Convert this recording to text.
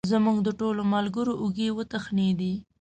زموږ د ټولو ملګرو اوږې وتخنېدې.